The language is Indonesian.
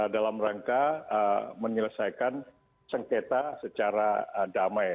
dalam rangka menyelesaikan sengketa secara damai